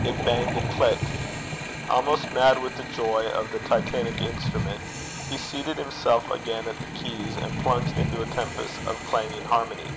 It banged and clicked. Almost mad with the joy of the titanic instrument, he seated himself again at the keys, and plunged into a tempest of clanging harmony.